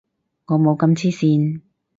我冇咁黐線